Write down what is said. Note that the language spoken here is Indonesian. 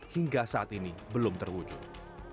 hingga saat ini belum terwujud